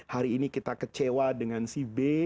hari ini kita kecewa dengan si b